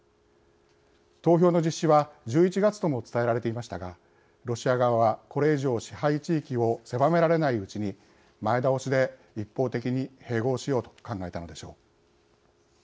投票の実施は１１月とも伝えられていましたがロシア側はこれ以上、支配地域を狭められないうちに前倒しで一方的に併合しようと考えたのでしょう。